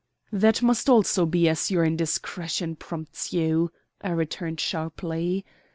"That must also be as your indiscretion prompts you," I returned sharply.